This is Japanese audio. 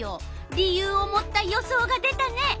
理由を持った予想が出たね。